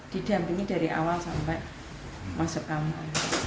didampingi dari awal sampai masuk kampung